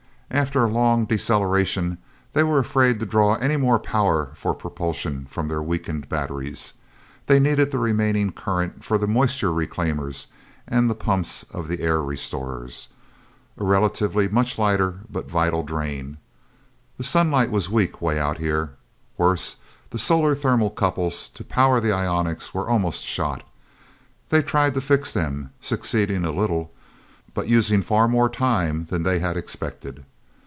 After a long deceleration they were afraid to draw any more power for propulsion from their weakened batteries. They needed the remaining current for the moisture reclaimers and the pumps of the air restorers a relatively much lighter but vital drain. The sunlight was weak way out here. Worse, the solar thermocouples to power the ionics were almost shot. They tried to fix them up, succeeding a little, but using far more time than they had expected.